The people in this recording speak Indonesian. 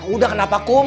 udah kenapa kum